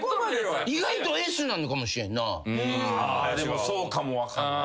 でもそうかもわかんない。